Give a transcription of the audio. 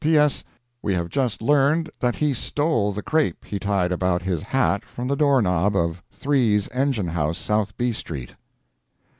P. S.—We have just learned that he stole the crape he tied about his hat from the door knob of Three's engine house, South B street.